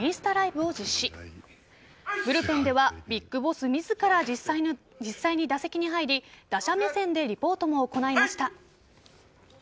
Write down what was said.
ブルペンではＢＩＧＢＯＳＳ自ら実際に打席に入り打者目線でリポートも行いました。